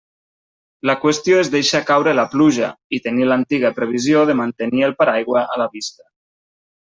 La qüestió és deixar caure la pluja, i tenir l'antiga previsió de mantenir el paraigua a la vista.